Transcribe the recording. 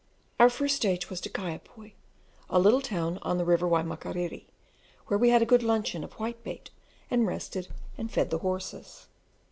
Our first stage was to Kaiapoi, a little town on the river Waimakiriri, where we had a good luncheon of whitebait, and rested and fed the horses.